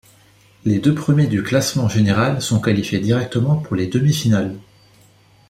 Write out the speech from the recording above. Les deux premiers du classement général sont qualifiés directement pour les demi-finales.